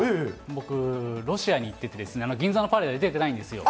僕、ロシアに行ってて、銀座のパレードに出てないんですよ。